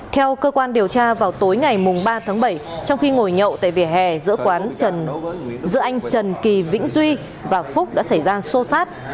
theo cơ quan điều tra vào tối ngày ba tháng bảy trong khi ngồi nhậu tại vỉa hè giữa anh trần kỳ vĩnh duy và phúc đã xảy ra sô sát